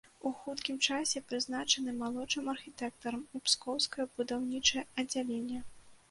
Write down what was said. У хуткім часе прызначаны малодшым архітэктарам у пскоўскае будаўнічае аддзяленне.